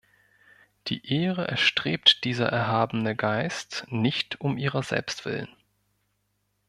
Die Ehre erstrebt dieser erhabene Geist nicht um ihrer selbst willen.